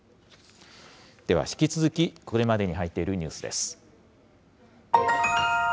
では引き続き、これまでに入っているニュースです。